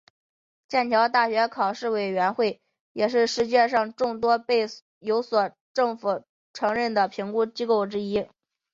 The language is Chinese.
剑桥大学考试委员会也是世界上众多的被所有政府承认的评估机构之一。